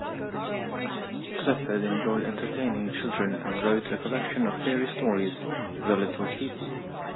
Clifford enjoyed entertaining children and wrote a collection of fairy stories, "The Little People".